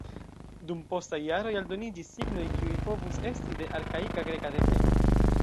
Dum postaj jaroj aldoniĝis signoj, kiuj povus esti de arkaika greka deveno.